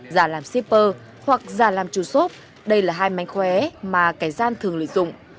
giả làm shipper hoặc giả làm chủ shop đây là hai mánh khóe mà cái gian thường lợi dụng